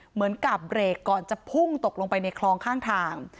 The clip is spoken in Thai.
เหมือนกับเบรกก่อนจะพุ่งตกลงไปในคลองข้างทาง